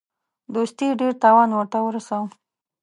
دوستي ډېر تاوان ورته ورساوه.